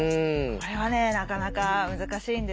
これはねなかなか難しいんですよ。